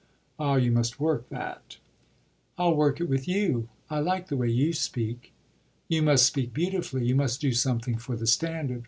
Ah you must work that." "I'll work it with you. I like the way you speak." "You must speak beautifully; you must do something for the standard."